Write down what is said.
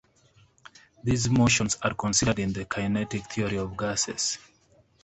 These motions are considered in the kinetic theory of gases.